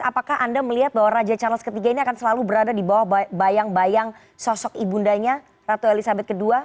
apakah anda melihat bahwa raja charles iii ini akan selalu berada di bawah bayang bayang sosok ibundanya ratu elizabeth ii